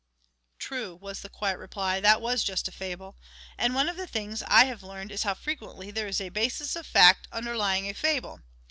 "True," was the quiet reply, "that was just a fable. And one of the things I have learned is how frequently there is a basis of fact underlying a fable.